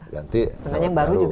ganti pesawat baru